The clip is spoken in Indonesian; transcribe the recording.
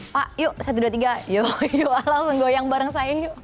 pak yuk satu dua tiga yuk langsung goyang bareng saya yuk